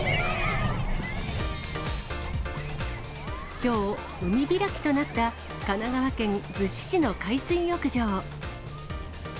きょう、海開きとなった、神奈川県逗子市の海水浴場。